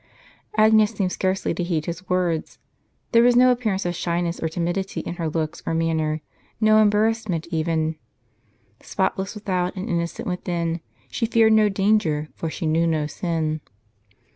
Agnes seemed scarcely to heed his words. There was no appearance of shyness or timidity in her looks or manner, no embaiTassment even :" Spotless without, and innocent within, She feared no danger, for she knew no sin."